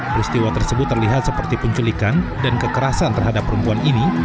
peristiwa tersebut terlihat seperti penculikan dan kekerasan terhadap perempuan ini